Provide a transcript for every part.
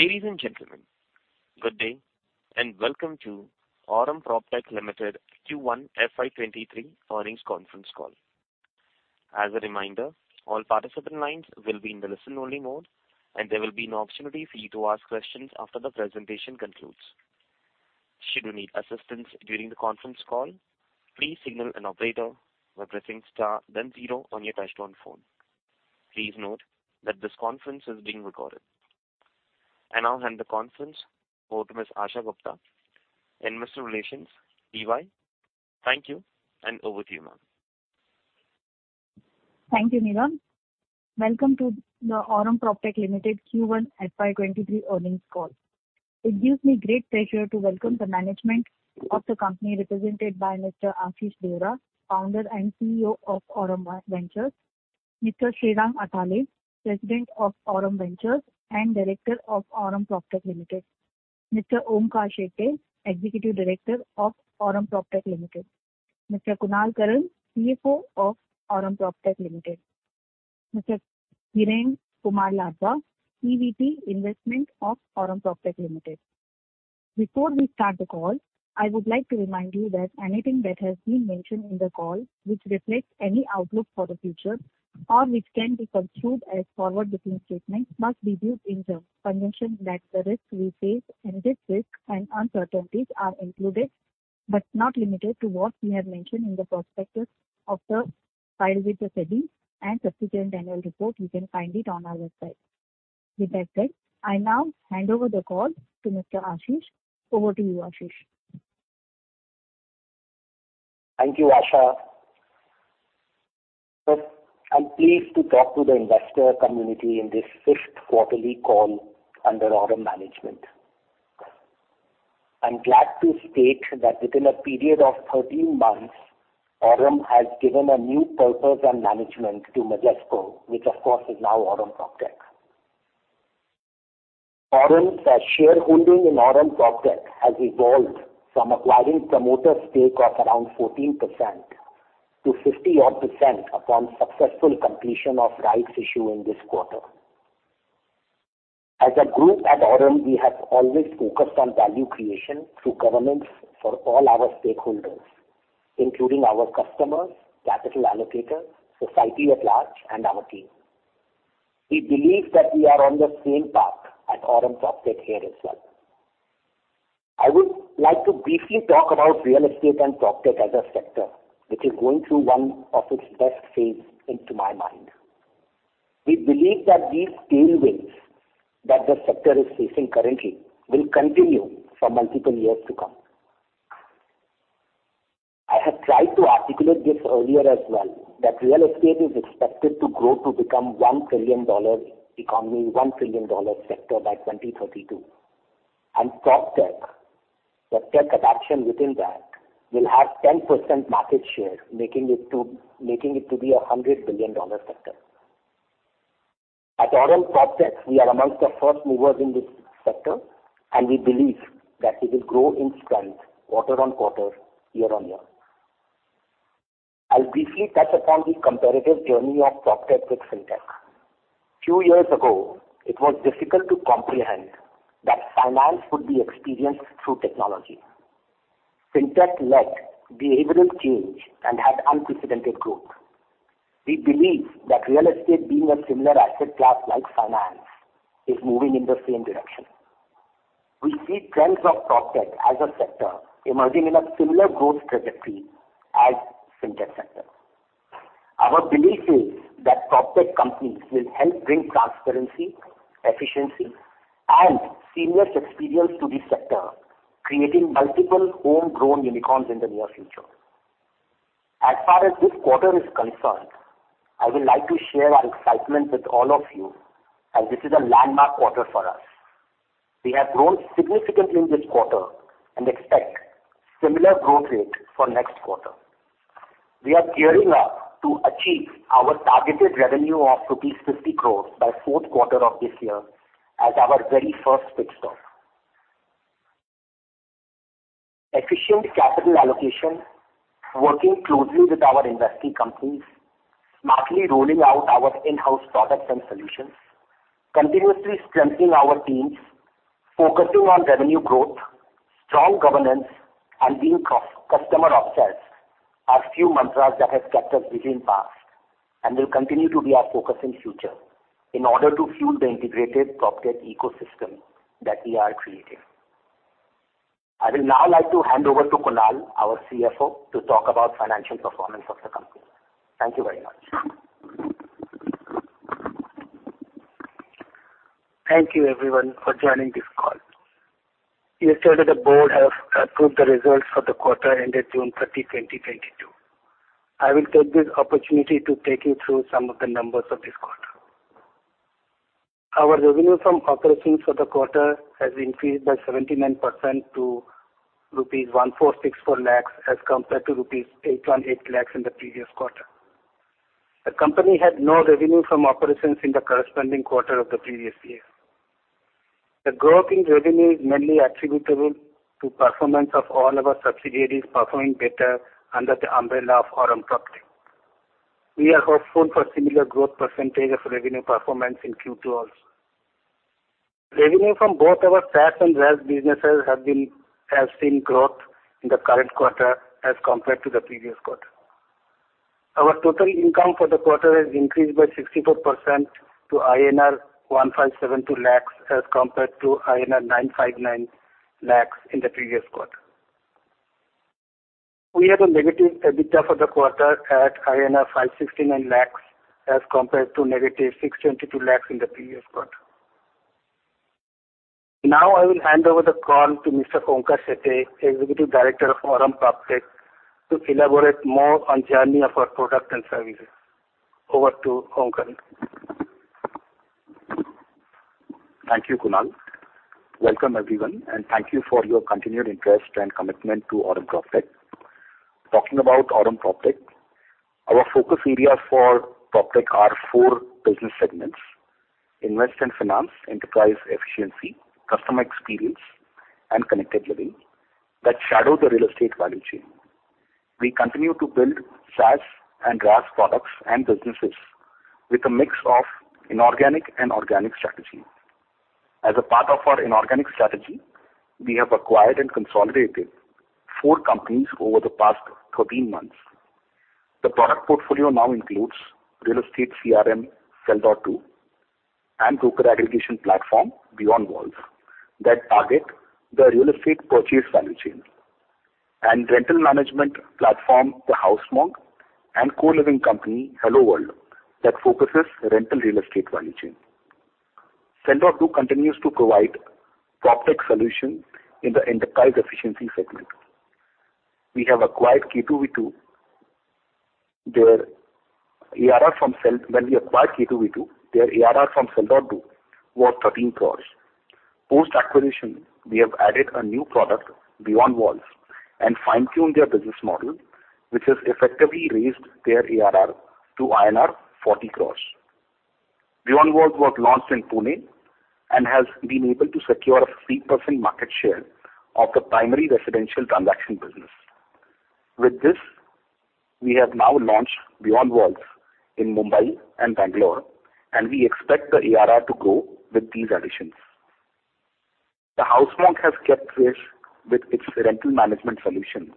Ladies and gentlemen, good day and welcome to Aurum PropTech Limited Q1 FY 2023 earnings conference call. As a reminder, all participant lines will be in the listen-only mode, and there will be an opportunity for you to ask questions after the presentation concludes. Should you need assistance during the conference call, please signal an operator by pressing star then zero on your touchtone phone. Please note that this conference is being recorded. I now hand the conference over to Ms. Asha Gupta, investor relations, EY. Thank you, and over to you, ma'am. Thank you, Neeraj. Welcome to the Aurum PropTech Limited Q1 FY 2023 earnings call. It gives me great pleasure to welcome the management of the company represented by Mr. Ashish Deora, founder and CEO of Aurum Ventures. Mr. Srirang Athalye, president of Aurum Ventures and director of Aurum PropTech Limited. Mr. Onkar Shetye, executive director of Aurum PropTech Limited. Mr. Kunal Karan, CFO of Aurum PropTech Limited. Mr. Hiren Ladva, EVP Investment of Aurum PropTech Limited. Before we start the call, I would like to remind you that anything that has been mentioned in the call, which reflects any outlook for the future or which can be construed as forward-looking statements must be viewed in the context of the risks we face, and these risks and uncertainties are included, but not limited to what we have mentioned in the prospectus filed with the SEBI and subsequent annual report. You can find it on our website. With that said, I now hand over the call to Mr. Ashish. Over to you, Ashish. Thank you, Asha. First, I'm pleased to talk to the investor community in this fifth quarterly call under Aurum management. I'm glad to state that within a period of 13 months, Aurum has given a new purpose and management to Majesco, which of course is now Aurum PropTech. Aurum's shareholding in Aurum PropTech has evolved from acquiring promoter stake of around 14% to 50-odd% upon successful completion of rights issue in this quarter. As a group at Aurum, we have always focused on value creation through governance for all our stakeholders, including our customers, capital allocators, society at large, and our team. We believe that we are on the same path at Aurum PropTech here as well. I would like to briefly talk about real estate and PropTech as a sector, which is going through one of its best phases in my mind. We believe that these tailwinds that the sector is facing currently will continue for multiple years to come. I have tried to articulate this earlier as well, that real estate is expected to grow to become $1 trillion economy, $1 trillion sector by 2032. PropTech, the tech adoption within that, will have 10% market share, making it to be a $100 billion sector. At Aurum PropTech, we are amongst the first movers in this sector, and we believe that it will grow in strength quarter-on-quarter, year-on-year. I'll briefly touch upon the comparative journey of PropTech with Fintech. Few years ago, it was difficult to comprehend that finance would be experienced through technology. Fintech led behavioral change and had unprecedented growth. We believe that real estate being a similar asset class like finance is moving in the same direction. We see trends of PropTech as a sector emerging in a similar growth trajectory as Fintech sector. Our belief is that PropTech companies will help bring transparency, efficiency, and seamless experience to this sector, creating multiple home-grown unicorns in the near future. As far as this quarter is concerned, I would like to share our excitement with all of you as this is a landmark quarter for us. We have grown significantly in this quarter and expect similar growth rate for next quarter. We are gearing up to achieve our targeted revenue of rupees 50 crores by fourth quarter of this year as our very first pit stop. Efficient capital allocation, working closely with our investing companies, smartly rolling out our in-house products and solutions, continuously strengthening our teams, focusing on revenue growth, strong governance, and being customer obsessed are few mantras that have kept us busy in past and will continue to be our focus in future in order to fuel the integrated PropTech ecosystem that we are creating. I will now like to hand over to Kunal, our CFO, to talk about financial performance of the company. Thank you very much. Thank you everyone for joining this call. Yesterday, the board have approved the results for the quarter ended June 30, 2022. I will take this opportunity to take you through some of the numbers of this quarter. Our revenue from operations for the quarter has increased by 79% to rupees 1,464 lakhs as compared to rupees 818 lakhs in the previous quarter. The company had no revenue from operations in the corresponding quarter of the previous year. The growth in revenue is mainly attributable to performance of all our subsidiaries performing better under the umbrella of Aurum PropTech. We are hopeful for similar growth percentage of revenue performance in Q2 also. Revenue from both our SaaS and DaaS businesses have seen growth in the current quarter as compared to the previous quarter. Our total income for the quarter has increased by 64% to INR 1,572 lakhs as compared to INR 959 lakhs in the previous quarter. We had a negative EBITDA for the quarter at INR 569 lakhs as compared to negative 622 lakhs in the previous quarter. Now I will hand over the call to Mr. Onkar Shetye, Executive Director of Aurum PropTech, to elaborate more on journey of our product and services. Over to Onkar. Thank you, Kunal. Welcome, everyone, and thank you for your continued interest and commitment to Aurum PropTech. Talking about Aurum PropTech, our focus areas for PropTech are four business segments: invest and finance, enterprise efficiency, customer experience and connected living that shadow the real estate value chain. We continue to build SaaS and DaaS products and businesses with a mix of inorganic and organic strategy. As a part of our inorganic strategy, we have acquired and consolidated four companies over the past 13 months. The product portfolio now includes real estate CRM Sell.do and broker aggregation platform BeyondWalls that target the real estate purchase value chain, and rental management platform TheHouseMonk and co-living company HelloWorld that focuses rental real estate value chain. Sell.do continues to provide PropTech solution in the enterprise efficiency segment. We have acquired K2V2. Their ARR from Sell.do... When we acquired K2V2, their ARR from Sell.do was 13 crores. Post-acquisition, we have added a new product, BeyondWalls, and fine-tuned their business model, which has effectively raised their ARR to INR 40 crores. BeyondWalls was launched in Pune and has been able to secure a 3% market share of the primary residential transaction business. With this, we have now launched BeyondWalls in Mumbai and Bangalore, and we expect the ARR to grow with these additions. TheHouseMonk has kept pace with its rental management solution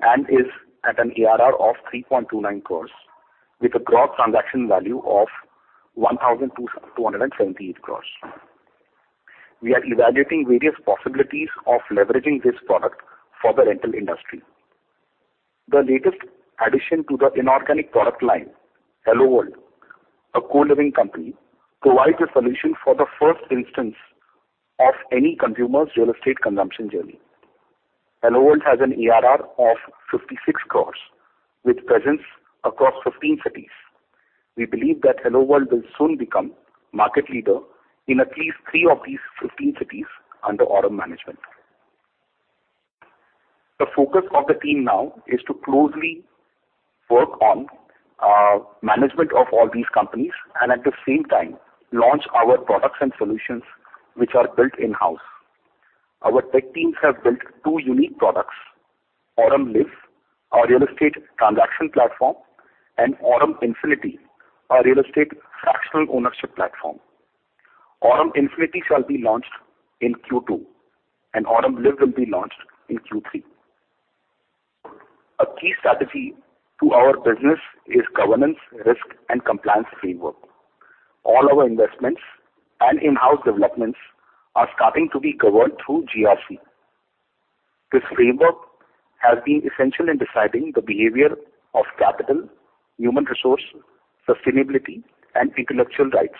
and is at an ARR of 3.29 crores with a gross transaction value of 1,278 crores. We are evaluating various possibilities of leveraging this product for the rental industry. The latest addition to the inorganic product line, HelloWorld, a co-living company, provides a solution for the first instance of any consumer's real estate consumption journey. HelloWorld has an ARR of 56 crores with presence across 15 cities. We believe that HelloWorld will soon become market leader in at least three of these 15 cities under Aurum management. The focus of the team now is to closely work on management of all these companies and, at the same time, launch our products and solutions which are built in-house. Our tech teams have built two unique products, Aurum Liv, our real estate transaction platform, and Aurum Infinity, our real estate fractional ownership platform. Aurum Infinity shall be launched in Q2, and Aurum Liv will be launched in Q3. A key strategy to our business is governance, risk, and compliance framework. All our investments and in-house developments are starting to be governed through GRC. This framework has been essential in deciding the behavior of capital, human resource, sustainability, and intellectual rights.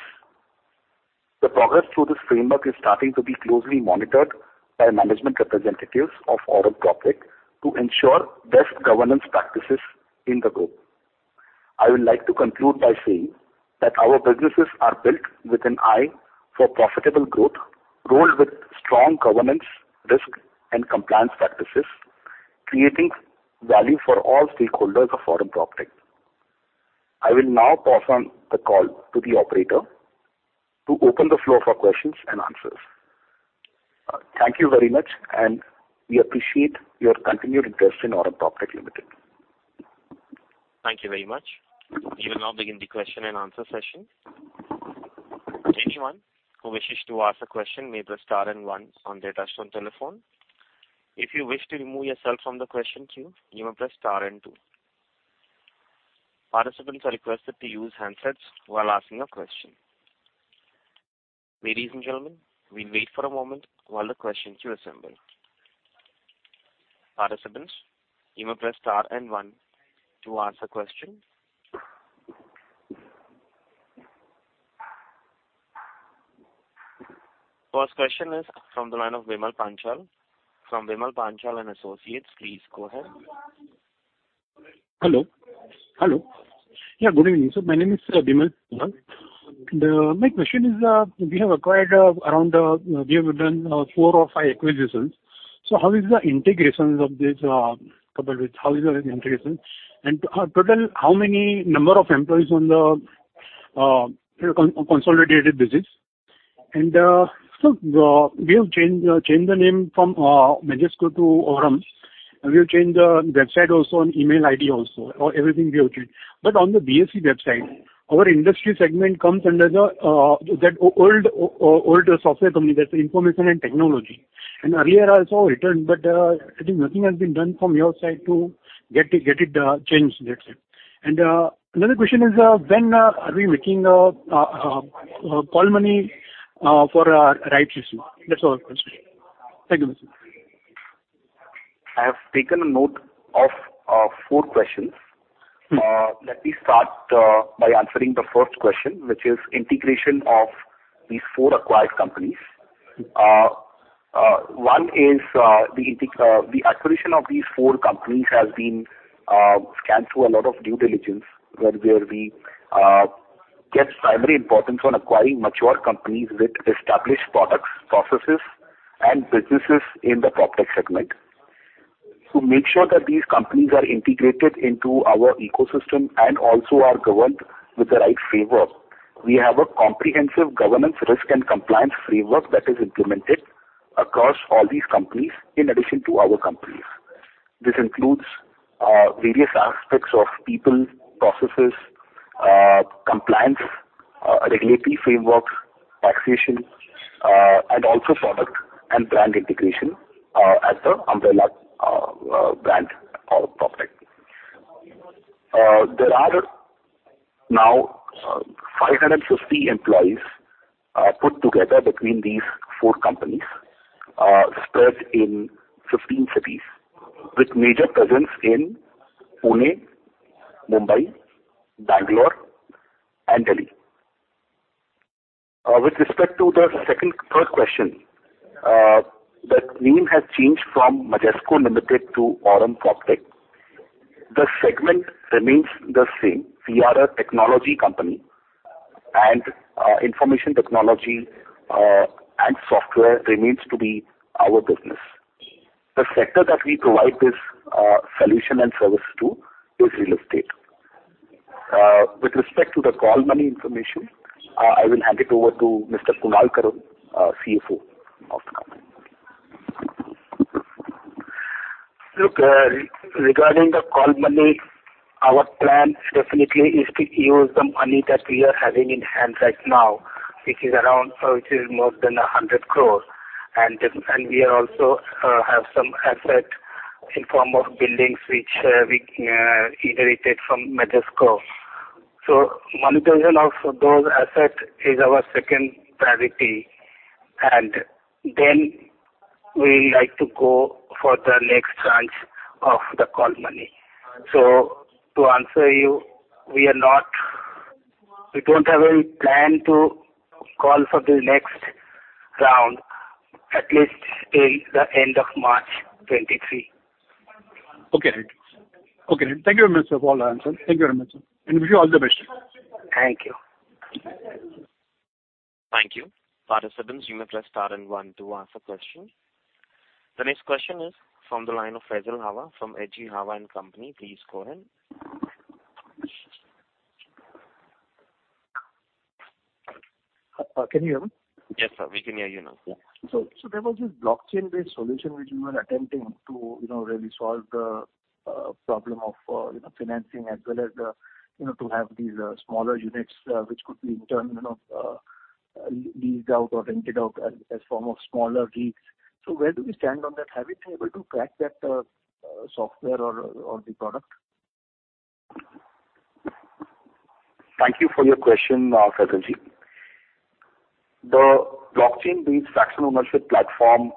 The progress through this framework is starting to be closely monitored by management representatives of Aurum PropTech to ensure best governance practices in the group. I would like to conclude by saying that our businesses are built with an eye for profitable growth, rolled with strong governance, risk, and compliance practices, creating value for all stakeholders of Aurum PropTech. I will now pass on the call to the operator to open the floor for questions and answers. Thank you very much, and we appreciate your continued interest in Aurum PropTech Limited. Thank you very much. We will now begin the question-and-answer session. Anyone who wishes to ask a question may press star and one on their touchtone telephone. If you wish to remove yourself from the question queue, you may press star and two. Participants are requested to use handsets while asking a question. Ladies and gentlemen, we'll wait for a moment while the question queue assembles. Participants, you may press star and one to ask a question. First question is from the line of Vimal Panchal from Vimal Panchal & Associates. Please go ahead. Hello. Hello. Yeah, good evening. My name is Vimal Panchal. My question is, you have done four or five acquisitions. How is the integration of this, coupled with how is the integration? Total how many number of employees on the consolidated basis? We have changed the name from Majesco to Aurum, and we've changed the website also and email ID also. Everything we have changed. But on the BSE website, our industry segment comes under that old software company, that's information and technology. Earlier also it turned, but I think nothing has been done from your side to get it changed, that's it. Another question is, when are we making call money for our rights issue? That's all. Thank you. I have taken a note of 4 questions. Hmm. Let me start by answering the first question, which is integration of these four acquired companies. The acquisition of these four companies has been scanned through a lot of due diligence, where we place primary importance on acquiring mature companies with established products, processes, and businesses in the PropTech segment. To make sure that these companies are integrated into our ecosystem and also are governed with the right framework, we have a comprehensive governance risk and compliance framework that is implemented across all these companies in addition to our companies. This includes various aspects of people, processes, compliance, regulatory frameworks, taxation, and also product and brand integration as an umbrella brand of PropTech. There are now 550 employees put together between these four companies, spread in 15 cities with major presence in Pune, Mumbai, Bangalore, and Delhi. With respect to the second-third question, the name has changed from Majesco Limited to Aurum PropTech. The segment remains the same. We are a technology company, and information technology and software remains to be our business. The sector that we provide this solution and service to is real estate. With respect to the call money information, I will hand it over to Mr. Kunal Karan, CFO of the company. Look, regarding the call money, our plan definitely is to use the money that we are having in hand right now, which is more than 100 crores. We also have some assets in form of buildings which we inherited from Majesco. Monetization of those assets is our second priority. Then we like to go for the next tranche of the call money. To answer you, we don't have any plan to call for the next round, at least till the end of March 2023. Okay. Thank you very much, sir, for all the answers. Thank you very much, sir, and wish you all the best. Thank you. Thank you. Participants, you may press star and one to ask a question. The next question is from the line of Faisal Hawa from H.G. Hawa & Co. Please go ahead. Can you hear me? Yes, sir. We can hear you now. Yeah. There was this blockchain-based solution which you were attempting to, you know, really solve the problem of, you know, financing as well as, you know, to have these smaller units, which could be in turn, you know, leased out or rented out as form of smaller deeds. Where do we stand on that? Have you been able to crack that software or the product? Thank you for your question, Faisal ji. The blockchain-based fractional ownership platform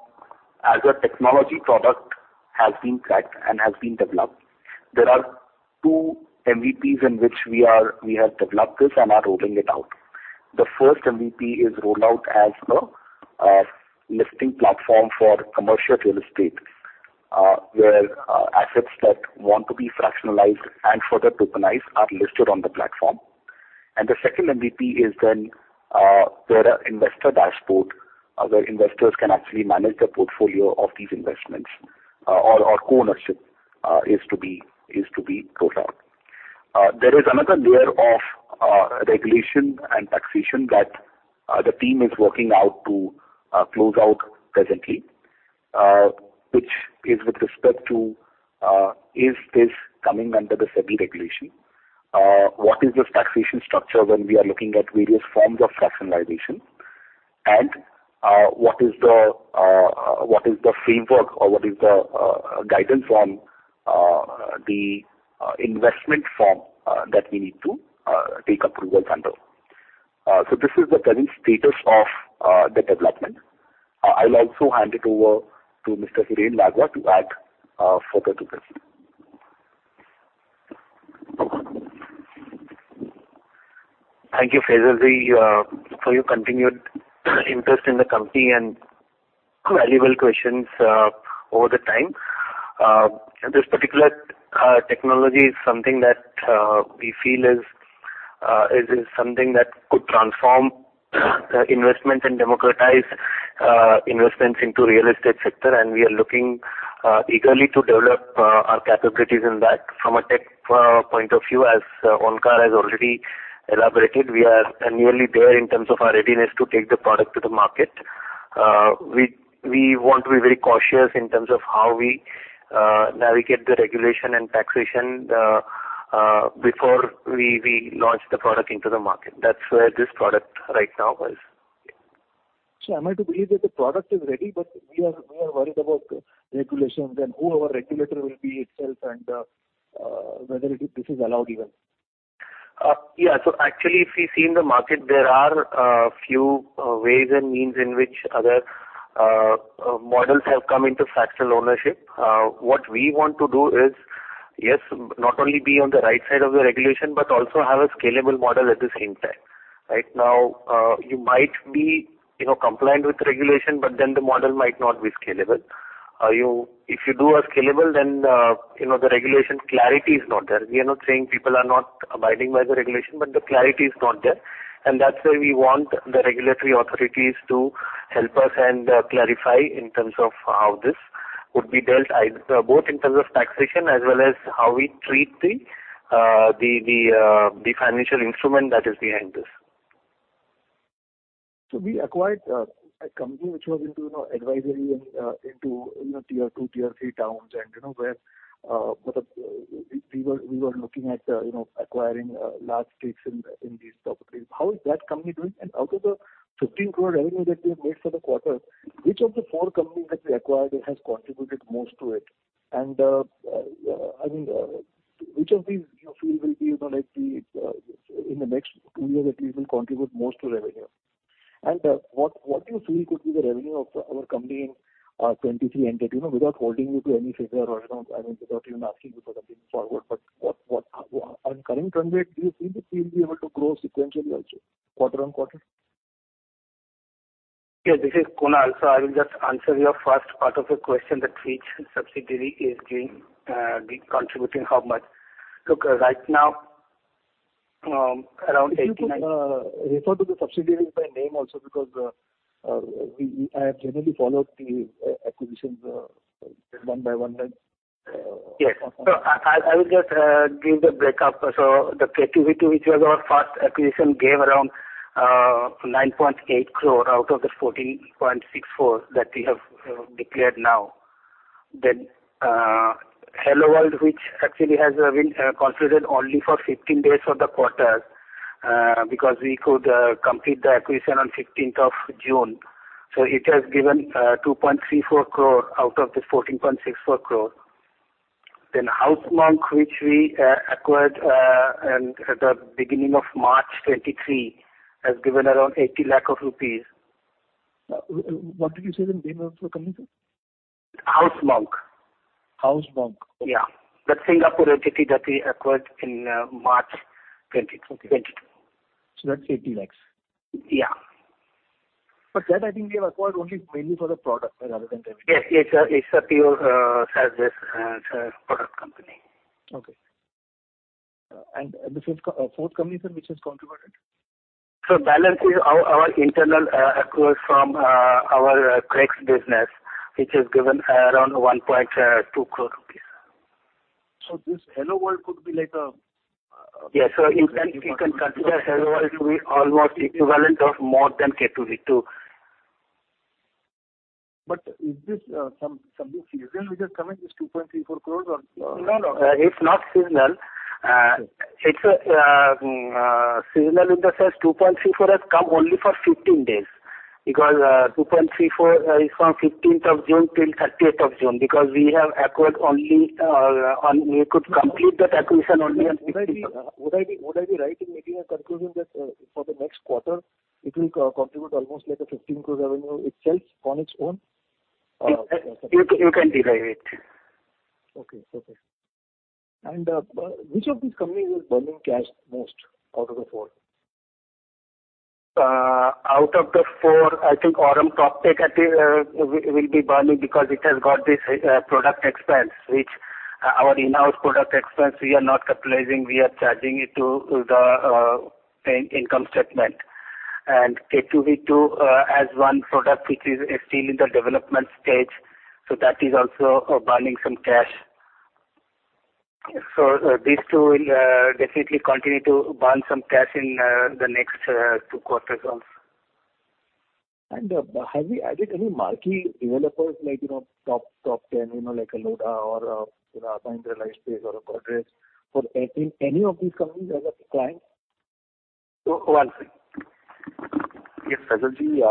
as a technology product has been cracked and has been developed. There are two MVPs in which we have developed this and are rolling it out. The first MVP is rolled out as a listing platform for commercial real estate, where assets that want to be fractionalized and further tokenized are listed on the platform. The second MVP is then where an investor dashboard where investors can actually manage their portfolio of these investments or co-ownership is to be rolled out. There is another layer of regulation and taxation that the team is working out to close out presently, which is with respect to, is this coming under the SEBI regulation? What is the taxation structure when we are looking at various forms of fractionalization? What is the framework or what is the guidance on the investment form that we need to take approvals under? This is the current status of the development. I'll also hand it over to Mr. Hiren Ladva to add further to this. Thank you, Faisal ji, for your continued interest in the company and valuable questions over the time. This particular technology is something that we feel is something that could transform the investment and democratize investments into real estate sector, and we are looking eagerly to develop our capabilities in that. From a tech point of view, as Onkar has already elaborated, we are nearly there in terms of our readiness to take the product to the market. We want to be very cautious in terms of how we navigate the regulation and taxation before we launch the product into the market. That's where this product right now is. Am I to believe that the product is ready, but we are worried about the regulation, then who our regulator will be itself and whether this is allowed even? Yeah. Actually, if we see in the market, there are few ways and means in which other models have come into fractional ownership. What we want to do is, yes, not only be on the right side of the regulation, but also have a scalable model at the same time. Right now, you might be, you know, compliant with the regulation, but then the model might not be scalable. If you do a scalable, then, you know, the regulation clarity is not there. We are not saying people are not abiding by the regulation, but the clarity is not there. That's why we want the regulatory authorities to help us and clarify in terms of how this would be dealt with, both in terms of taxation, as well as how we treat the financial instrument that is behind this. We acquired a company which was into, you know, advisory and into, you know, Tier 2, Tier 3 towns, and, you know, where we were looking at, you know, acquiring large stakes in these properties. How is that company doing? Out of the 15 crore revenue that we have made for the quarter, which of the four companies that we acquired has contributed most to it? I mean, which of these do you feel will be, you know, like the in the next two years at least will contribute most to revenue? What do you feel could be the revenue of our company in 2023 ended, you know, without holding you to any figure or, you know, I mean, without even asking you for something forward, but what on current trends, do you feel that we'll be able to grow sequentially also quarter-on-quarter? This is Kunal. I will just answer your first part of your question that which subsidiary is contributing how much. Look, right now, around eighteen- If you could refer to the subsidiaries by name also because I have generally followed the acquisitions one by one, and Yes. I will just give the breakup. The K2V2, which was our first acquisition, gave around 9.8 crore out of the 14.64 crore that we have declared now. HelloWorld, which actually has been considered only for 15 days of the quarter, because we could complete the acquisition on fifteenth of June. It has given 2.34 crore out of the 14.64 crore. TheHouseMonk, which we acquired in the beginning of March 2023, has given around 80 lakh of rupees. What did you say the name of the company, sir? TheHouseMonk. TheHouseMonk. Yeah. That Singapore entity that we acquired in, March 20- Okay. 22. That's 80 lakhs. Yeah. That I think we have acquired only mainly for the product rather than revenue. Yes. It's a pure service product company. Okay. The fourth company, sir, which has contributed? Balance is our internal acquired from our CREX business, which has given around 1.2 crore rupees. This HelloWorld could be like a Yes, sir. You can consider HelloWorld to be almost equivalent of more than K2V2. Is this something seasonal which has come in this INR 2.34 crore or? No, no. It's not seasonal. Okay. It's seasonal in the sense 2.34 crore has come only for 15 days because 2.34 crore is from 15th of June till 30th of June, because we have acquired only, we could complete that acquisition only on 15th. Would I be right in making a conclusion that for the next quarter it will co-contribute almost like a 15 crore revenue itself on its own? You can derive it. Which of these companies is burning cash most out of the four? Out of the four, I think Aurum PropTech will be burning because it has got this product expense, which our in-house product expense we are not capitalizing, we are charging it to the income statement. K2V2 as one product which is still in the development stage, so that is also burning some cash. These two will definitely continue to burn some cash in the next two quarters also. Have you added any marquee developers like, you know, top ten, you know, like a Lodha or a, you know, Ashar Real Estate or a Godrej for any of these companies as a client? Oh, I'll say. Yes, Faisal ji,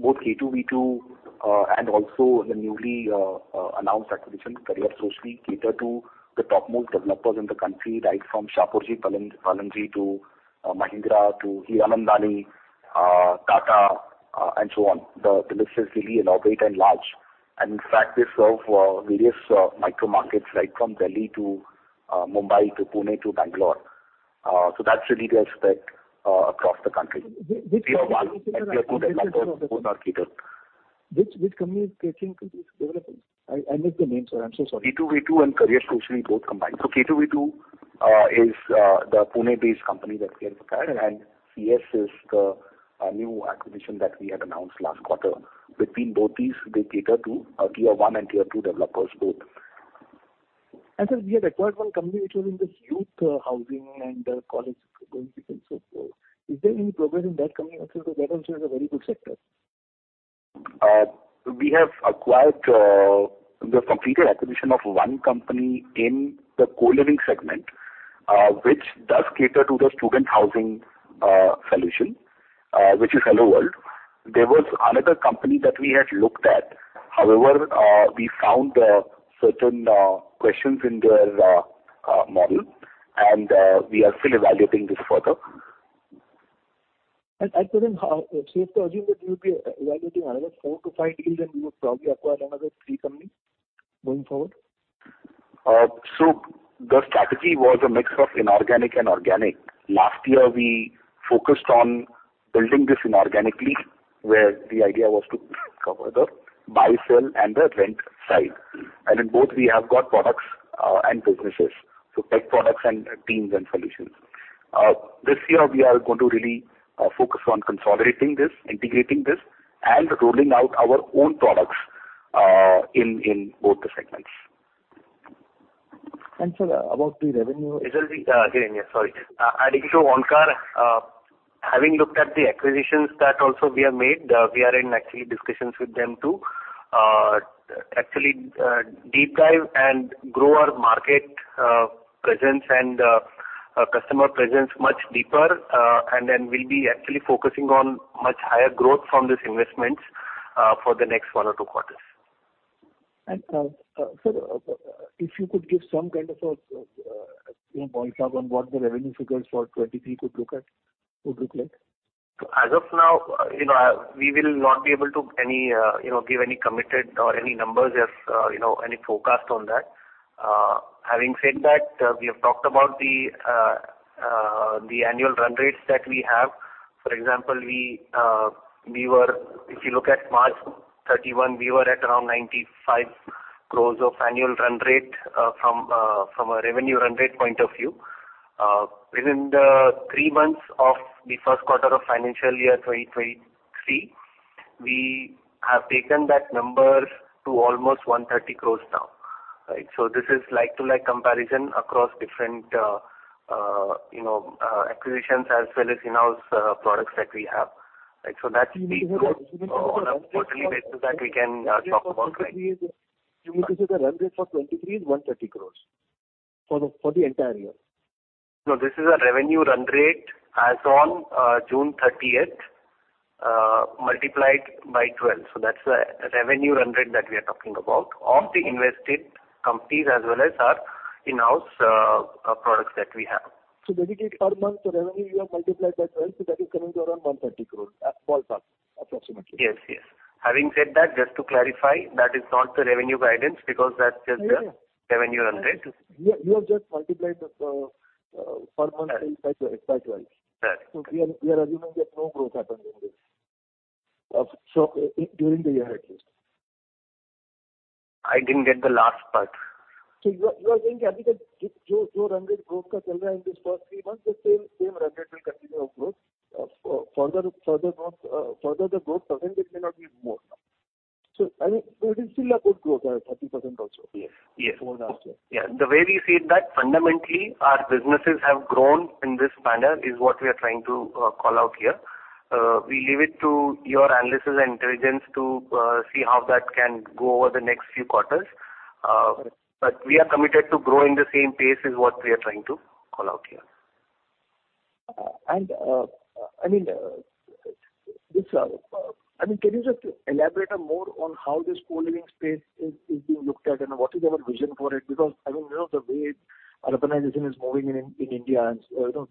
both K2V2 and also the newly announced acquisition Career Socially cater to the topmost developers in the country, right from Shapoorji Pallonji to Mahindra to Hiranandani, Tata, and so on. The list is really innovative and large. In fact, we serve various micro markets, right from Delhi to Mumbai to Pune to Bangalore. So that's really the aspect across the country. Which are some of the developers? We have Lodha and Godrej who are catered. Which company is creating companies developing? I missed the name, sir. I'm so sorry. K2V2 and Career Socially both combined. K2V2 is the Pune-based company that we have acquired, and CS is the new acquisition that we had announced last quarter. Between both these, they cater to Tier 1 and Tier 2 developers both. Sir, we had acquired one company which was in this youth housing and college going students. Is there any progress in that company also? Because that also is a very good sector. We have completed acquisition of one company in the co-living segment, which does cater to the student housing solution, which is HelloWorld. There was another company that we had looked at. However, we found certain questions in their model, and we are still evaluating this further. You have to assume that you'll be evaluating another four-five deals, and you will probably acquire another three companies going forward? The strategy was a mix of inorganic and organic. Last year, we focused on building this inorganically, where the idea was to cover the buy, sell, and the rent side. In both, we have got products and businesses, so tech products and teams and solutions. This year we are going to really focus on consolidating this, integrating this, and rolling out our own products in both the segments. Sir, about the revenue. Adding to Onkar, having looked at the acquisitions that also we have made, we are in actual discussions with them to actually deep dive and grow our market presence and customer presence much deeper. We'll be actually focusing on much higher growth from these investments for the next one or two quarters. Sir, if you could give some kind of a, you know, ballpark on what the revenue figures for 2023 could look like? As of now, you know, we will not be able to give any committed or any numbers as, you know, any forecast on that. Having said that, we have talked about the annual run rates that we have. For example, if you look at March 31, we were at around 95 crores of annual run rate, from a revenue run rate point of view. Within the three months of the first quarter of financial year 2023, we have taken that number to almost 130 crores now, right? This is like-for-like comparison across different acquisitions as well as in-house products that we have. Right. That's the growth on a quarterly basis that we can talk about, right? You mean to say the run rate for 2023 is 130 crores for the entire year? No, this is a revenue run rate as on June 30th, multiplied by 12. That's the revenue run rate that we are talking about of the invested companies as well as our in-house products that we have. Basically per month the revenue you have multiplied by twelve, so that is coming to around 130 crore ballpark approximately. Yes. Yes. Having said that, just to clarify, that is not the revenue guidance because that's just the. Yeah, yeah. Revenue run rate. You have just multiplied the per month by 12. Right. We are assuming that no growth happened in this. During the year at least. I didn't get the last part. You are saying that. Yes. same run rate will continue on growth, further the growth percent can not be more. It still a good growth 30% also. Yes. For next year. Yeah. The way we see it, that fundamentally our businesses have grown in this manner is what we are trying to call out here. We leave it to your analysis and intelligence to see how that can go over the next few quarters. We are committed to growing the same pace is what we are trying to call out here. I mean, can you just elaborate a more on how this co-living space is being looked at and what is our vision for it? Because I mean, you know, the way urbanization is moving in India and you know,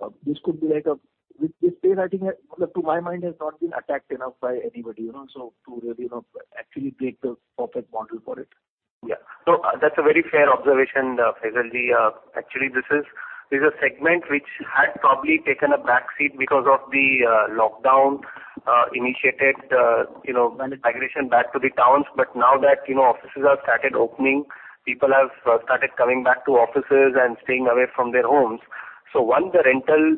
with this space I think like to my mind has not been attacked enough by anybody, you know, so to really you know actually create the perfect model for it. Yeah. That's a very fair observation, Faizal ji. Actually this is a segment which had probably taken a back seat because of the lockdown initiated, you know, migration back to the towns. Now that, you know, offices have started opening, people have started coming back to offices and staying away from their homes. One, the rental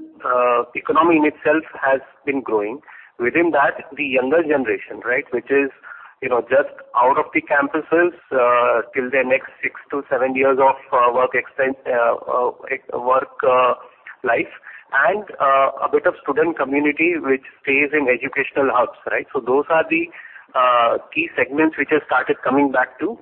economy in itself has been growing. Within that, the younger generation, right, which is, you know, just out of the campuses, till their next six-seven years of work life and a bit of student community which stays in educational hubs, right? Those are the key segments which have started coming back to,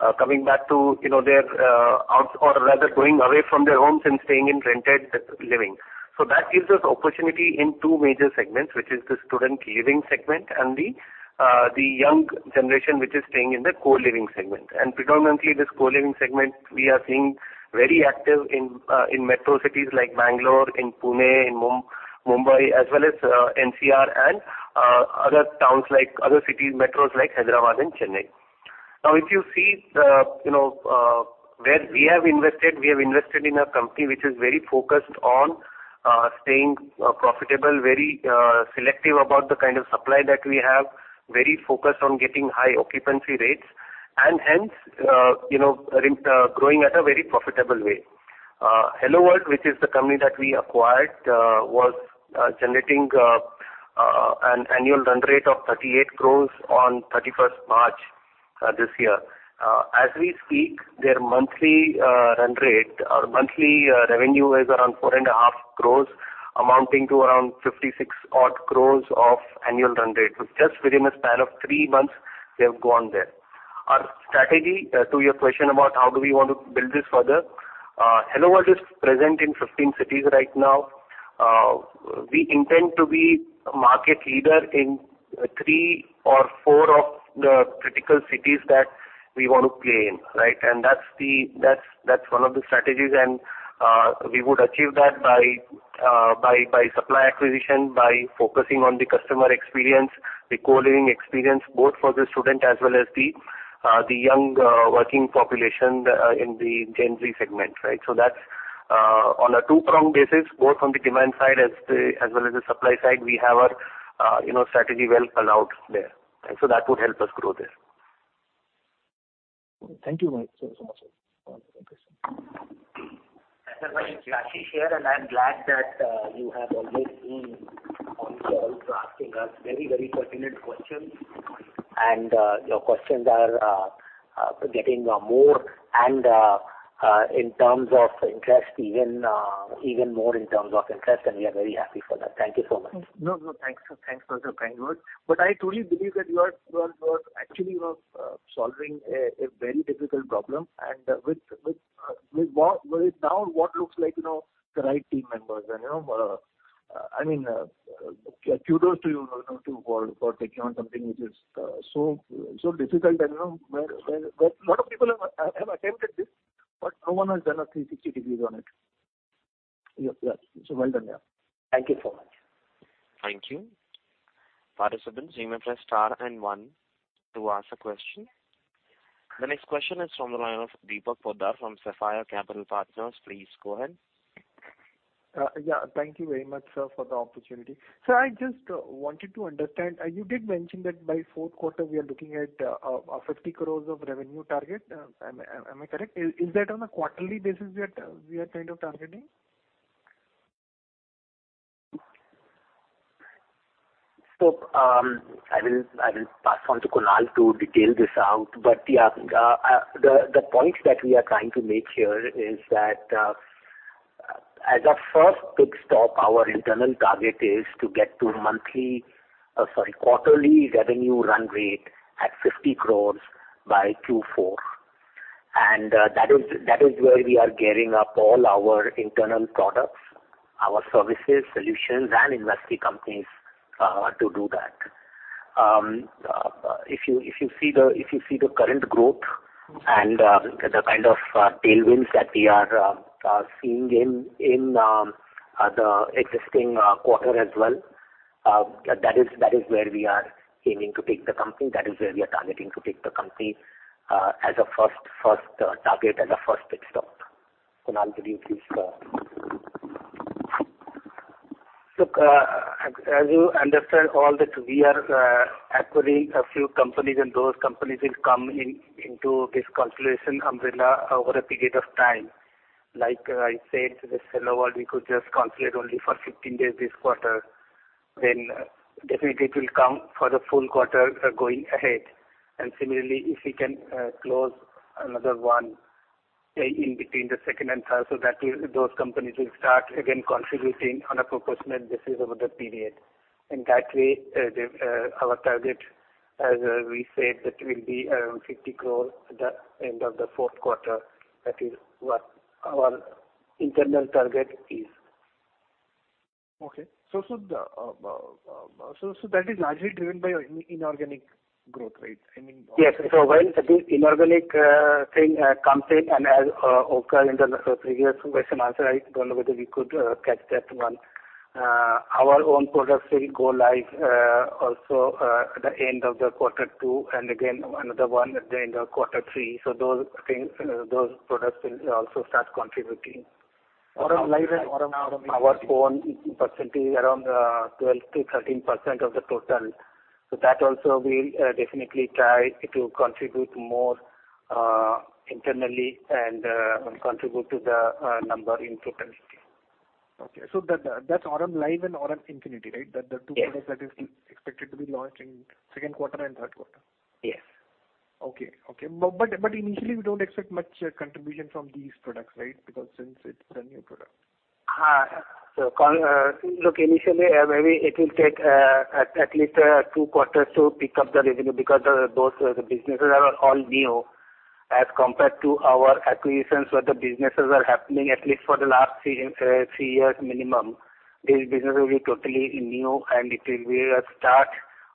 you know, their own or rather going away from their homes and staying in rented living. That gives us opportunity in two major segments, which is the student living segment and the young generation which is staying in the co-living segment. Predominantly this co-living segment we are seeing very active in in metro cities like Bangalore, in Pune, in Mumbai, as well as NCR and other towns like other cities, metros like Hyderabad and Chennai. Now, if you see the you know where we have invested, we have invested in a company which is very focused on staying profitable, very selective about the kind of supply that we have, very focused on getting high occupancy rates, and hence you know growing at a very profitable way. HelloWorld, which is the company that we acquired, was generating an annual run rate of 38 crores on 31st March this year. As we speak, their monthly run rate or monthly revenue is around 4.5 crores, amounting to around 56 odd crores of annual run rate. Just within a span of three months, we have gone there. Our strategy, to your question about how do we want to build this further, HelloWorld is present in 15 cities right now. We intend to be market leader in three or four of the critical cities that we want to play in, right? That's one of the strategies, and we would achieve that by supply acquisition, by focusing on the customer experience, the co-living experience, both for the student as well as the young working population in the Gen Z segment, right? That's on a two-prong basis, both on the demand side as well as the supply side, we have our, you know, strategy well aligned there. That would help us grow there. Thank you very much, sir. Sir, my name is Ashish Deora here, and I'm glad that you have always been on here also asking us very, very pertinent questions. Your questions are getting more and more interesting, even more interesting, and we are very happy for that. Thank you so much. No, no. Thanks, sir. Thanks for the kind words. But I truly believe that you are actually, you know, solving a very difficult problem, and with what now looks like, you know, the right team members and, you know, I mean, kudos to you know, for taking on something which is so difficult and, you know, where a lot of people have attempted this, but no one has done a 360 degrees on it. Yeah. Well done, yeah. Thank you so much. Thank you. Participants, you may press star and one to ask a question. The next question is from the line of Deepak Poddar from Sapphire Capital Partners. Please go ahead. Yeah. Thank you very much, sir, for the opportunity. Sir, I just wanted to understand. You did mention that by fourth quarter we are looking at 50 crores of revenue target. Am I correct? Is that on a quarterly basis that we are kind of targeting? I will pass on to Kunal to detail this out. The point that we are trying to make here is that, as a first pit stop, our internal target is to get to quarterly revenue run rate at 50 crores by Q4. That is where we are gearing up all our internal products, our services, solutions and investee companies to do that. If you see the current growth and the kind of tailwinds that we are seeing in the existing quarter as well, that is where we are aiming to take the company. That is where we are targeting to take the company, as a first target and a first pitstop. Kunal to you please. Look, as you understand all that we are acquiring a few companies and those companies will come into this consolidation umbrella over a period of time. Like I said, with HelloWorld, we could just consolidate only for 15 days this quarter, then definitely it will count for the full quarter, going ahead. Similarly, if we can close another one, say, in between the second and third, so that those companies will start again contributing on a proportionate basis over the period. In that way, our target, as we said, that will be around 50 crore at the end of the fourth quarter. That is what our internal target is. That is largely driven by inorganic growth rate? I mean- Yes. When this inorganic thing comes in and as occurred in the previous question answer, I don't know whether we could catch that one. Our own products will go live also at the end of the quarter two and again another one at the end of quarter three. Those things those products will also start contributing. Aurum Liv and- Our own percentage is around 12%-13% of the total. That also we'll definitely try to contribute more internally and contribute to the number in total. Okay. That's Aurum Liv and Aurum Infinity, right? The two products. Yes. That is expected to be launched in second quarter and third quarter. Yes. Okay. Initially we don't expect much contribution from these products, right? Because since it's a new product. Look, initially, maybe it will take at least two quarters to pick up the revenue because the businesses are all new as compared to our acquisitions, where the businesses are happening at least for the last three years minimum. These businesses will be totally new, and it will be a start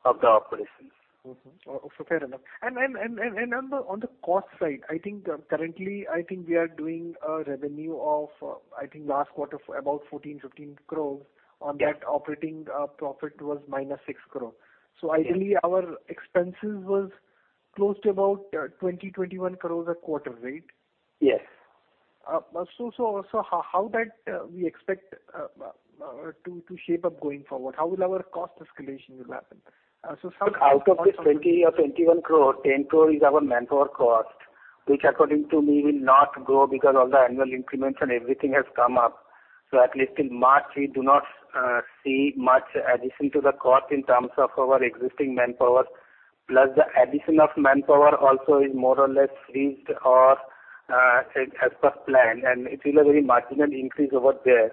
of the operations. Mm-hmm. Fair enough. On the cost side, I think currently, I think we are doing a revenue of, I think last quarter about 14-15 crore. Yes. On that operating profit was -6 crore. Yes. Ideally our expenses was close to about 20 crores-21 crores a quarter, right? Yes. How that we expect to shape up going forward? How will our cost escalation will happen? Out of this 20 crore or 21 crore, 10 crore is our manpower cost, which according to me will not grow because all the annual increments and everything has come up. At least in March, we do not see much addition to the cost in terms of our existing manpower, plus the addition of manpower also is more or less fixed or as per plan, and it will have a very marginal increase over there.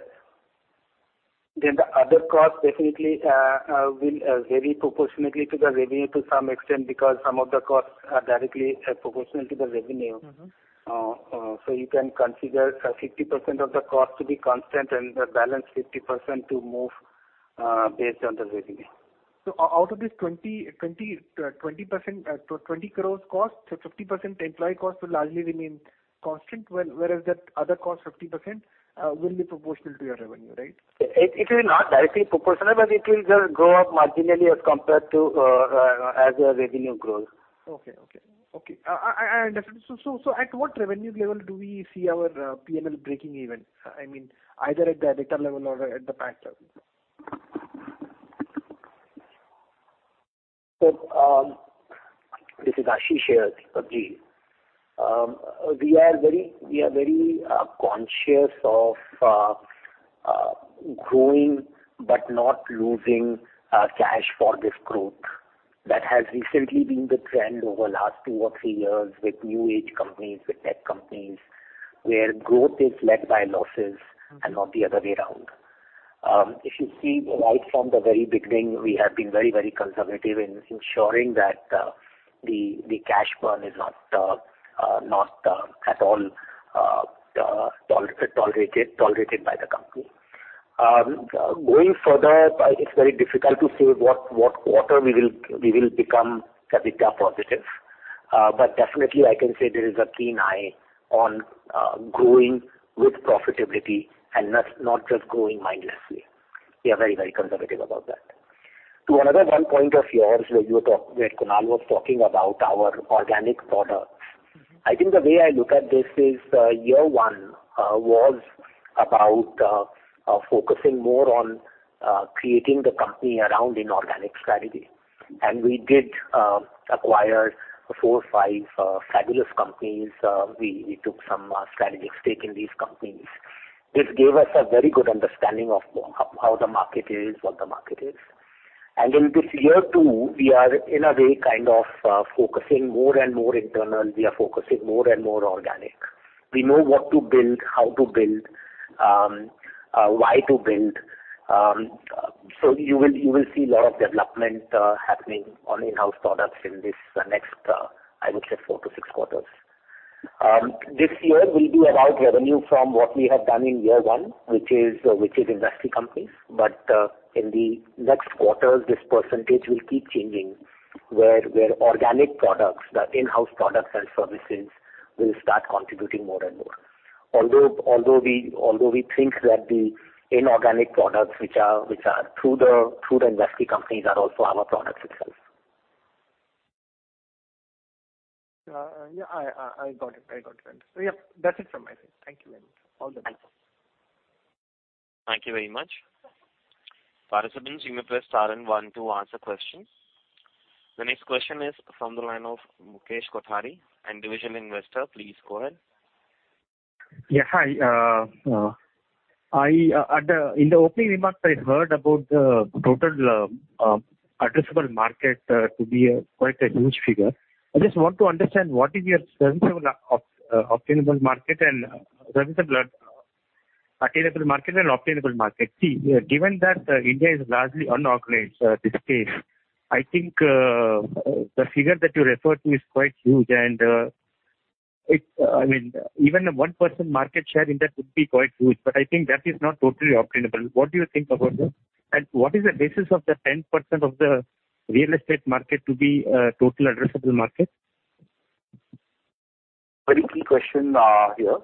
The other cost definitely will vary proportionately to the revenue to some extent because some of the costs are directly proportional to the revenue. Mm-hmm. You can consider 50% of the cost to be constant and the balance 50% to move, based on the revenue. Out of this 20%, 20 crore cost, 50% employee cost will largely remain constant, whereas that other cost, 50%, will be proportional to your revenue, right? It will not directly proportional, but it will just grow up marginally as compared to as your revenue grows. Okay. At what revenue level do we see our P&L breaking even? I mean, either at the EBITDA level or at the PAT level. This is Ashish here, Deep. We are very conscious of growing but not losing cash for this growth. That has recently been the trend over last two or three years with new age companies, with tech companies, where growth is led by losses and not the other way around. If you see right from the very beginning, we have been very conservative in ensuring that the cash burn is not at all tolerated by the company. Going further, it's very difficult to say what quarter we will become EBITDA positive. But definitely I can say there is a keen eye on growing with profitability and not just growing mindlessly. We are very conservative about that. To another one point of yours, where Kunal was talking about our organic product. I think the way I look at this is, year one was about focusing more on creating the company around inorganic strategy. We did acquire four, five fabulous companies. We took some strategic stake in these companies. This gave us a very good understanding of how the market is, what the market is. In this year two, we are in a way kind of focusing more and more internal. We are focusing more and more organic. We know what to build, how to build, why to build. You will see lot of development happening on in-house products in this next, I would say four-six quarters. This year we'll be about revenue from what we have done in year one, which is investee companies. In the next quarters, this percentage will keep changing, where organic products, the in-house products and services will start contributing more and more. Although we think that the inorganic products which are through the investee companies are also our products itself. Yeah, I got it. Yeah, that's it from my side. Thank you very much. All done. Thank you. Thank you very much. Participants, you may press star and one to ask a question. The next question is from the line of Mukesh Kothari and Individual Investor. Please go ahead. Yeah, hi. In the opening remarks, I heard about the total addressable market to be quite a huge figure. I just want to understand what is your serviceable obtainable market and serviceable attainable market and obtainable market? See, given that India is largely unorganized, in this case, I think the figure that you referred to is quite huge and it's, I mean, even a 1% market share in that would be quite huge, but I think that is not totally obtainable. What do you think about that? What is the basis of the 10% of the real estate market to be total addressable market? Very key question here.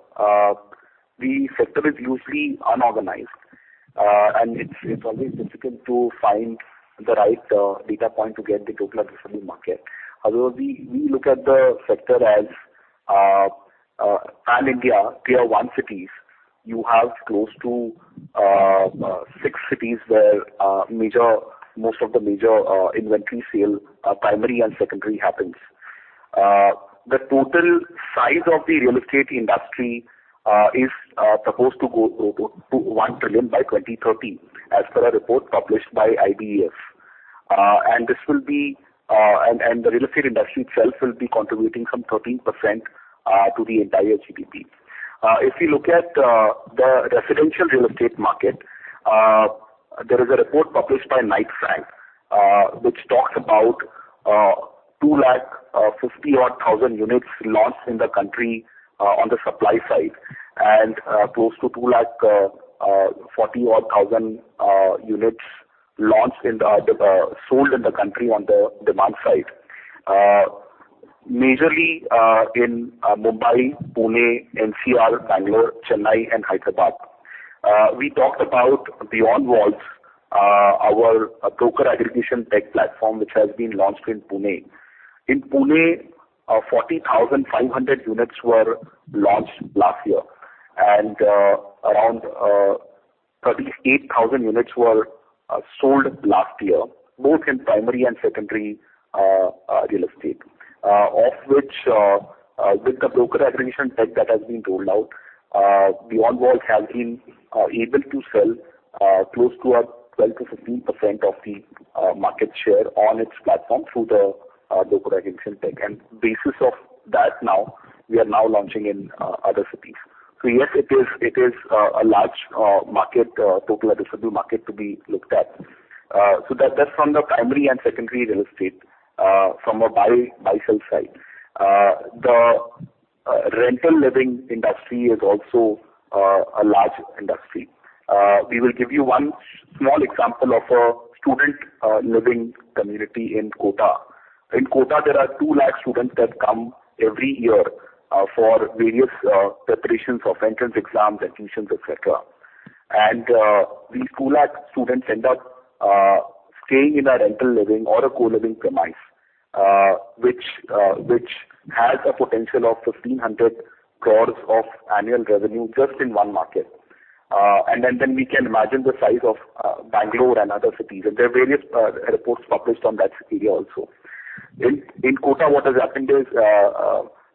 The sector is usually unorganized, and it's always difficult to find the right data point to get the total addressable market. Although we look at the sector as pan-India, Tier 1 cities. You have close to six cities where most of the major inventory sale primary and secondary happens. The total size of the real estate industry is supposed to go to $1 trillion by 2030, as per a report published by IBEF. The real estate industry itself will be contributing some 13% to the entire GDP. If you look at the residential real estate market, there is a report published by Knight Frank which talks about two lakh fifty odd thousand units launched in the country on the supply side, and close to two lakh forty odd thousand units sold in the country on the demand side. Mainly in Mumbai, Pune, NCR, Bangalore, Chennai and Hyderabad. We talked about BeyondWalls, our broker aggregation tech platform, which has been launched in Pune. In Pune, 40,500 units were launched last year and around 38,000 units were sold last year, both in primary and secondary real estate. Of which, with the broker aggregation tech that has been rolled out, BeyondWalls has been able to sell close to 12%-15% of the market share on its platform through the broker aggregation tech. Based on that now, we are launching in other cities. Yes, it is a large market, total addressable market to be looked at. That's from the primary and secondary real estate, from a buy-sell side. The rental living industry is also a large industry. We will give you one small example of a student living community in Kota. In Kota, there are 200,000 students that come every year for various preparations of entrance exams, tuitions, etc. These 2 lakh students end up staying in a rental living or a co-living premise, which has a potential of 1,500 crores of annual revenue just in one market. We can imagine the size of Bangalore and other cities. There are various reports published on that city also. In Kota, what has happened is,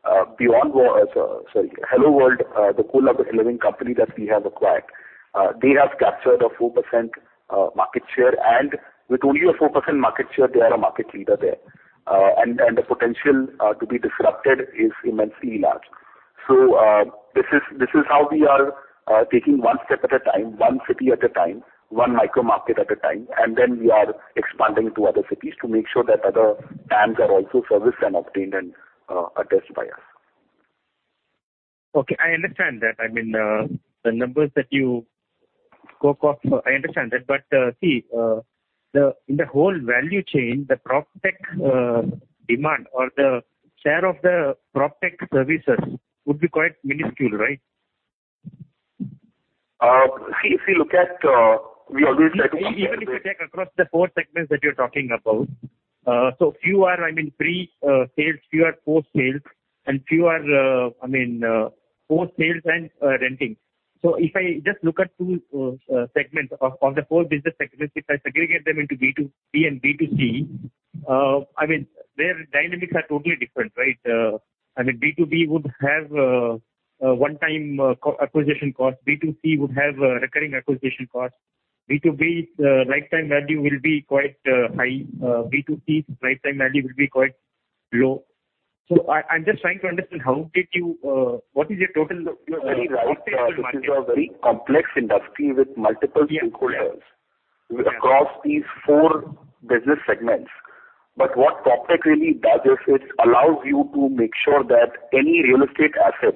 HelloWorld, the co-living company that we have acquired, they have captured a 4% market share. With only a 4% market share, they are a market leader there. The potential to be disrupted is immensely large. This is how we are taking one step at a time, one city at a time, one micro market at a time, and then we are expanding to other cities to make sure that other TAMs are also serviced and obtained and addressed by us. Okay, I understand that. I mean, the numbers that you spoke of, I understand that. See, in the whole value chain, the PropTech demand or the share of the PropTech services would be quite minuscule, right? See, if you look at, we always try to. Even if you take across the four segments that you're talking about. Few are, I mean, pre-sales, few are post-sales, and few are, I mean, post-sales and renting. If I just look at two segments, on the whole business segments, if I segregate them into B2B and B2C, I mean, their dynamics are totally different, right? I mean, B2B would have a one-time acquisition cost. B2C would have a recurring acquisition cost. B2B lifetime value will be quite high. B2C lifetime value will be quite low. I'm just trying to understand what is your total, you know, very profitable market? Right. This is a very complex industry with multiple stakeholders across these four business segments. What PropTech really does is it allows you to make sure that any real estate asset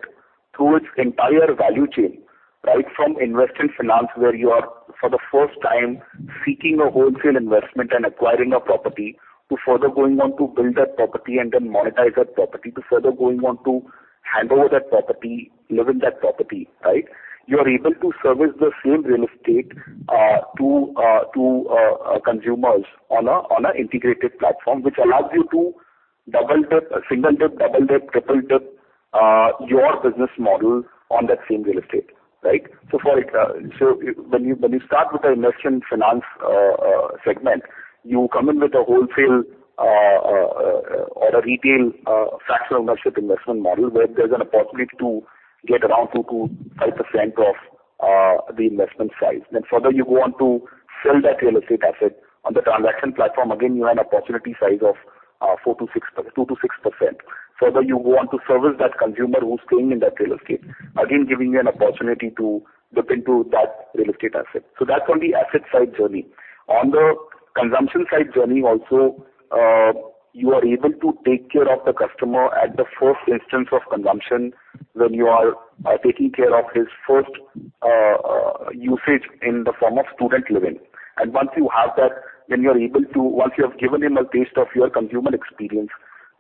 through its entire value chain, right? From investment and finance, where you are for the first time seeking a wholesale investment and acquiring a property to further going on to build that property and then monetize that property to further going on to hand over that property, live in that property, right? You are able to service the same real estate to consumers on an integrated platform which allows you to double dip, single dip, double dip, triple dip your business model on that same real estate, right? When you start with the investment finance segment, you come in with a wholesale or a retail fractional ownership investment model where there's an opportunity to get around 2%-5% of the investment size. Further you go on to sell that real estate asset. On the transaction platform, again, you have an opportunity size of 2%-6%. Further, you go on to service that consumer who's staying in that real estate, again, giving you an opportunity to dip into that real estate asset. That's on the asset side journey. On the consumption side journey also, you are able to take care of the customer at the first instance of consumption when you are taking care of his first usage in the form of student living. Once you have that, once you have given him a taste of your consumer experience,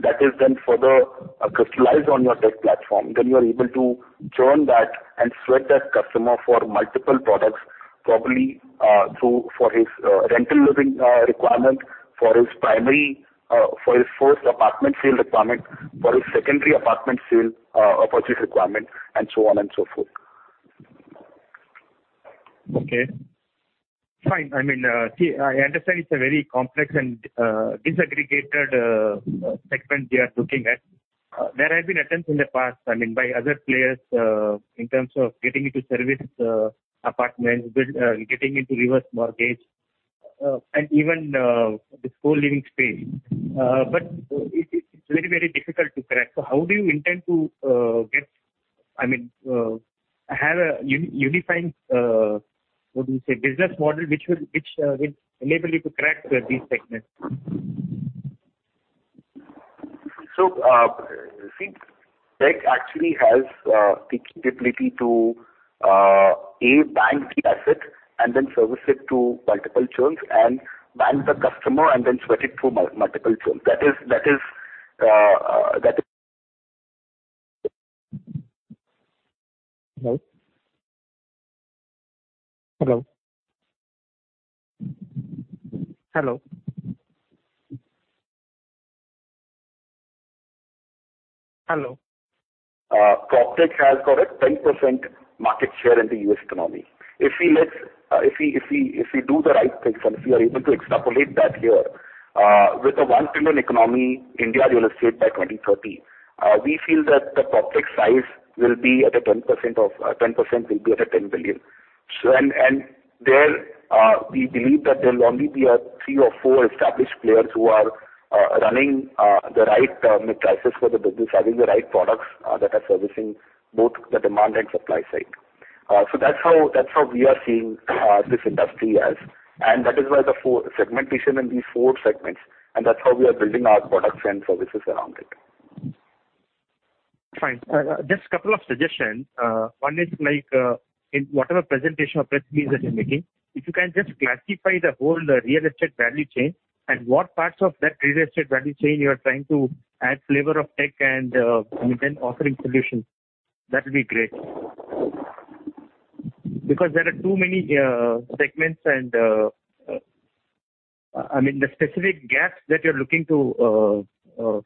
that is then further crystallized on your tech platform. You are able to join that and sweat that customer for multiple products, probably through, for his rental living requirement, for his first apartment sale requirement, for his secondary apartment sale or purchase requirement, and so on and so forth. Okay, fine. I mean, see, I understand it's a very complex and disaggregated segment you are looking at. There have been attempts in the past, I mean, by other players in terms of getting into service apartments, getting into reverse mortgage, and even this co-living space. But it is very, very difficult to crack. How do you intend to get, I mean, have a unified business model, which will enable you to crack these segments? Tech actually has the capability to bank the asset and then service it to multiple churns and bank the customer and then sweat it through multiple churns. That is. Hello? PropTech has got a 10% market share in the U.S. economy. If we do the right things, and if we are able to extrapolate that here, with a $1 trillion economy India real estate by 2030, we feel that the PropTech size will be at a 10% of, 10% will be at a $10 billion. We believe that there'll only be three or four established players who are running the right metrics for the business, having the right products that are servicing both the demand and supply side. That's how we are seeing this industry as and that is why the four segmentation in these four segments, and that's how we are building our products and services around it. Fine. Just a couple of suggestions. One is like, in whatever presentation or pitch meaning that you're making, if you can just classify the whole real estate value chain and what parts of that real estate value chain you are trying to add flavor of tech and then offering solutions. That would be great. Because there are too many segments and, I mean, the specific gaps that you're looking to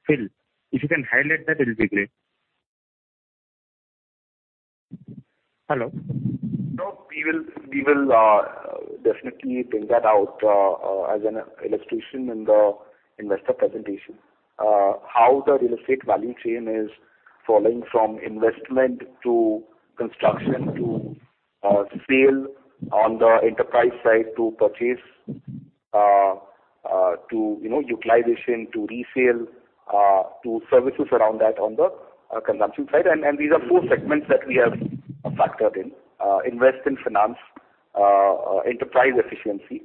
fill. If you can highlight that, it'll be great. Hello? No, we will definitely build that out as an illustration in the investor presentation. How the real estate value chain is flowing from investment to construction to sale on the enterprise side to purchase to, you know, utilization to resale to services around that on the consumption side. These are four segments that we have factored in. Invest in finance, enterprise efficiency,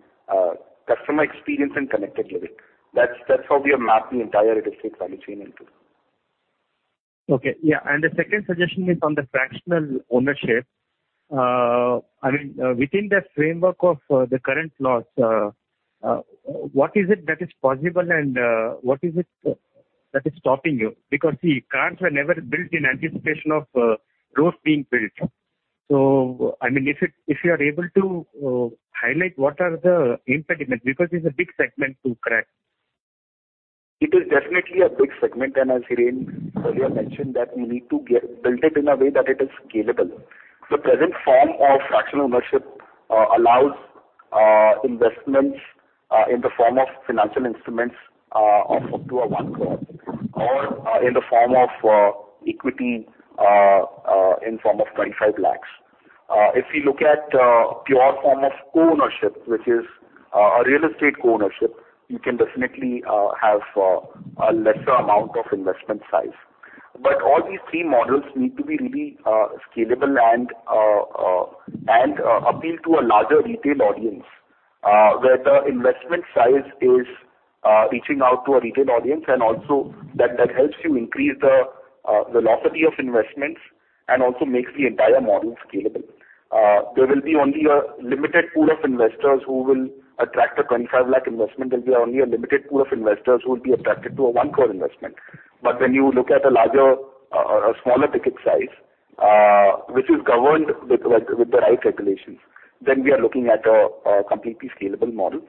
customer experience and connected living. That's how we have mapped the entire real estate value chain into. Okay. Yeah. The second suggestion is on the fractional ownership. I mean, within the framework of the current laws, what is it that is possible and what is it that is stopping you? Because see, cars were never built in anticipation of roads being built. I mean, if you are able to highlight what are the impediments, because it's a big segment to crack. It is definitely a big segment, as Hiren Ladva earlier mentioned that we need to build it in a way that it is scalable. The present form of fractional ownership allows investments in the form of financial instruments of up to 1 crore or in the form of equity in form of 25 lakhs. If we look at pure form of co-ownership, which is a real estate co-ownership, you can definitely have a lesser amount of investment size. But all these three models need to be really scalable and appeal to a larger retail audience, where the investment size is reaching out to a retail audience and also that helps you increase the velocity of investments and also makes the entire model scalable. There will be only a limited pool of investors who will be attracted to a 25 lakh investment. There'll be only a limited pool of investors who will be attracted to a 1 crore investment. When you look at a larger or a smaller ticket size, which is governed with the right regulations, then we are looking at a completely scalable model.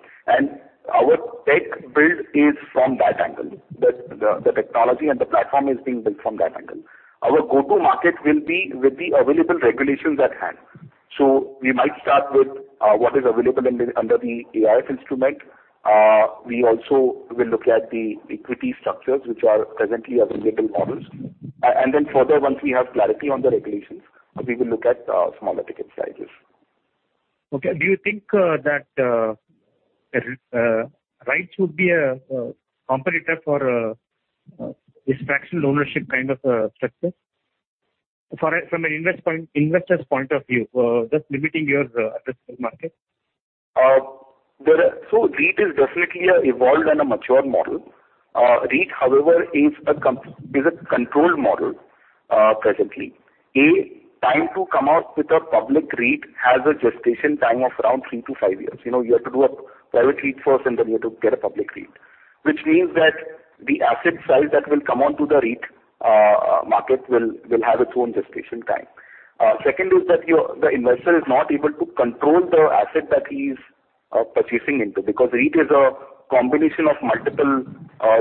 Our tech build is from that angle. The technology and the platform is being built from that angle. Our go-to market will be with the available regulations at hand. We might start with what is available under the AIF instrument. We also will look at the equity structures which are presently available models. Then further, once we have clarity on the regulations, we will look at smaller ticket sizes. Okay. Do you think that REITs would be a competitor for this fractional ownership kind of a structure? From an investor's point of view, just limiting your addressable market. REIT is definitely an evolved and a mature model. REIT, however, is a controlled model, presently. The time to come out with a public REIT has a gestation time of around three-five years. You know, you have to do a private REIT first, and then you have to get a public REIT. Which means that the asset size that will come onto the REIT market will have its own gestation time. Second is that the investor is not able to control the asset that he's purchasing into, because REIT is a combination of multiple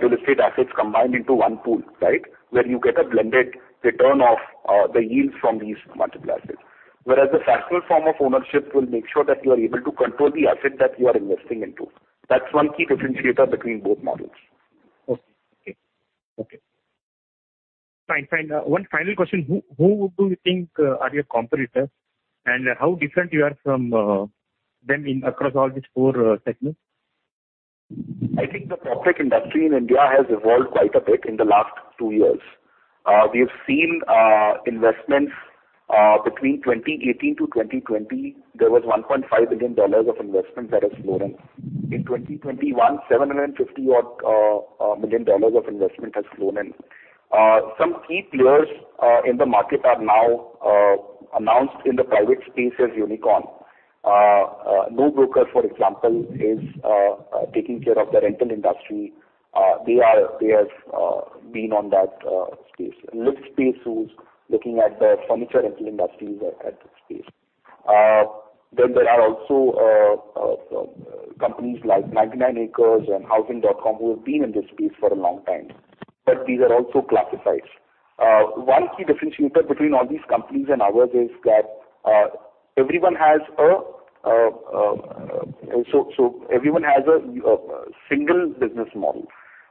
real estate assets combined into one pool, right? Where you get a blended return of the yield from these multiple assets. Whereas the fractional form of ownership will make sure that you are able to control the asset that you are investing into. That's one key differentiator between both models. Okay. Fine. One final question. Who do you think are your competitors and how different you are from them in across all these four segments? I think the PropTech industry in India has evolved quite a bit in the last two years. We have seen investments between 2018 to 2020, there was $1.5 billion of investment that has flown in. In 2021, $750-odd million of investment has flown in. Some key players in the market are now announced in the private space as unicorn. NoBroker, for example, is taking care of the rental industry. They have been on that space. Livspace who is looking at the furniture rental industry is at that space. There are also companies like 99acres and Housing.com who have been in this space for a long time, but these are also classifieds. One key differentiator between all these companies and ours is that everyone has a single business model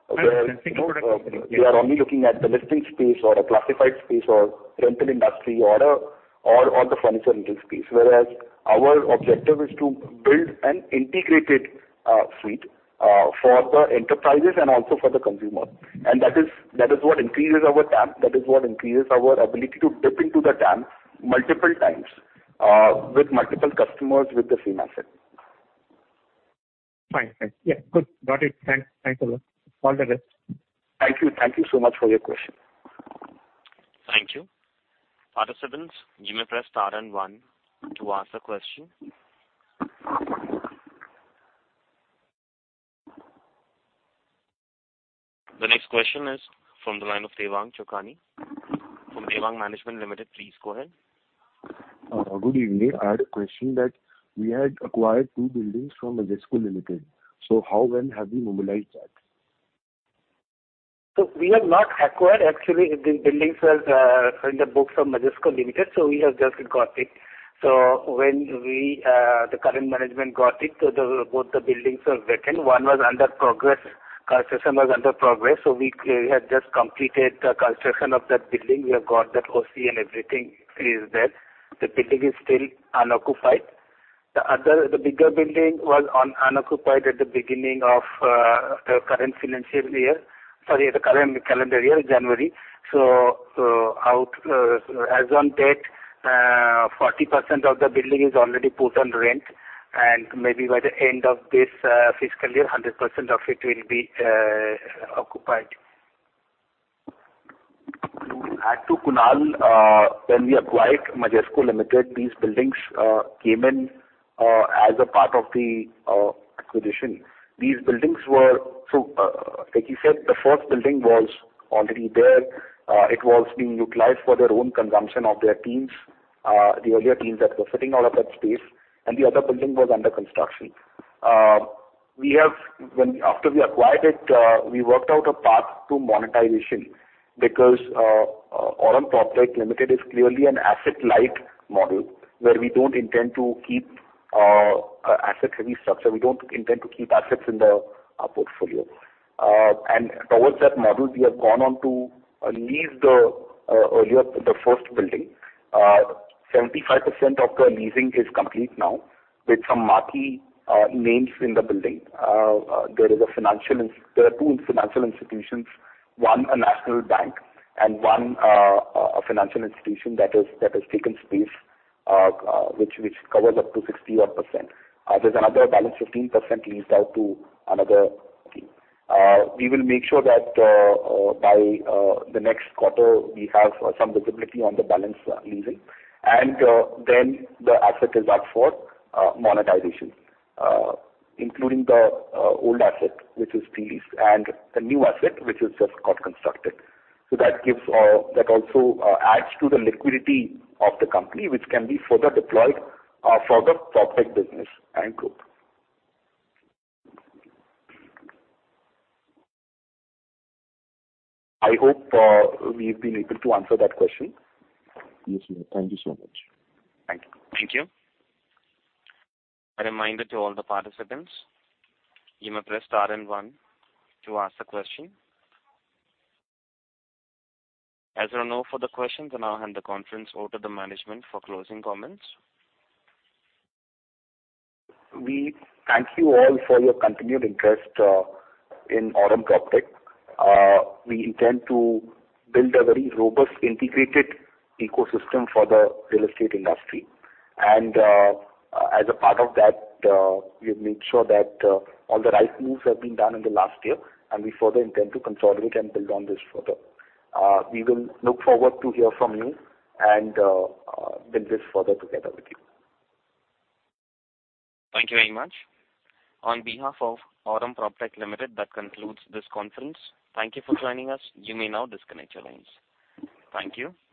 where they are only looking at the listing space or a classified space or rental industry or the furniture rental space. Whereas our objective is to build an integrated suite for the enterprises and also for the consumer. That is what increases our TAM. That is what increases our ability to dip into the TAM multiple times with multiple customers with the same asset. Fine. Thank you. Yeah, good. Got it. Thanks a lot. All the best. Thank you. Thank you so much for your question. Thank you. Participants, you may press star and one to ask a question. The next question is from the line of Devang Chokani from Devang Management Limited. Please go ahead. Good evening. I had a question that we had acquired two buildings from Majesco Limited. How well have we mobilized that? We have not acquired. Actually, the buildings was in the books of Majesco Limited, so we have just got it. When the current management got it, both the buildings were vacant. One was under progress. Construction was under progress, we had just completed the construction of that building. We have got that OC and everything is there. The building is still unoccupied. The other, the bigger building was unoccupied at the beginning of the current financial year. Sorry, the current calendar year, January. As on date, 40% of the building is already put on rent, and maybe by the end of this fiscal year, 100% of it will be occupied. To add to Kunal, when we acquired Majesco Limited, these buildings came in as a part of the acquisition. These buildings were like he said, the first building was already there. It was being utilized for their own consumption of their teams, the earlier teams that were sitting out of that space, and the other building was under construction. After we acquired it, we worked out a path to monetization because Aurum PropTech Limited is clearly an asset-light model where we don't intend to keep asset-heavy structure. We don't intend to keep assets in the portfolio. Towards that model, we have gone on to lease the earlier, the first building. 75% of the leasing is complete now with some marquee names in the building. There are two financial institutions, one a national bank and one, a financial institution that has taken space, which covers up to 60-odd%. There's another balance 15% leased out to another tenant. We will make sure that by the next quarter we have some visibility on the balance leasing. Then the asset is up for monetization, including the old asset which is pre-leased and the new asset which is just got constructed. That gives, that also adds to the liquidity of the company which can be further deployed for the PropTech business and group. I hope we've been able to answer that question. Yes, sir. Thank you so much. Thank you. A reminder to all the participants, you may press star and one to ask the question. As there are no further questions, I now hand the conference over to the management for closing comments. We thank you all for your continued interest in Aurum PropTech. We intend to build a very robust integrated ecosystem for the real estate industry. As a part of that, we have made sure that all the right moves have been done in the last year, and we further intend to consolidate and build on this further. We will look forward to hear from you and build this further together with you. Thank you very much. On behalf of Aurum PropTech Limited, that concludes this conference. Thank you for joining us. You may now disconnect your lines. Thank you.